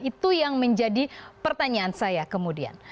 itu yang menjadi pertanyaan saya kemudian